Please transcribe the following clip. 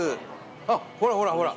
あっほらほらほら。